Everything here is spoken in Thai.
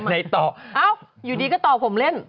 ไม่ได้ต่อผม